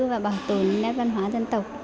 và bảo tồn nét văn hoá dân tộc